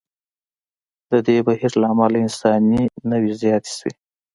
د دې بهیر له امله انساني نوعې زیاتې شوې.